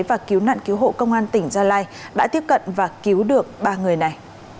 và cứu nạn cứu hộ công an tỉnh gia lai đã tiếp cận và cứu được ba người này